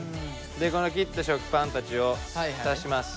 でこの切った食パンたちを浸します。